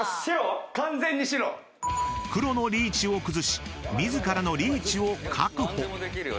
［黒のリーチを崩し自らのリーチを確保］